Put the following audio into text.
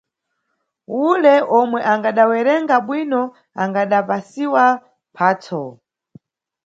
Ule omwe angadawerenga bwino angadapasiwa mphatso